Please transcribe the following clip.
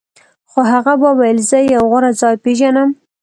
خو هغه وویل زه یو غوره ځای پیژنم